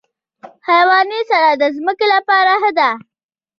حیواني سره د ځمکې لپاره ښه ده.